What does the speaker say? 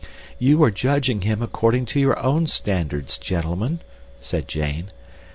"You are judging him according to your own standards, gentlemen," said Jane.